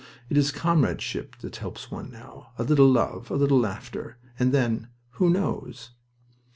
It is comradeship that helps one now!... A little love... a little laughter, and then who knows?"